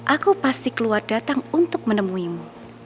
aku pasti keluar datang untuk menemuimu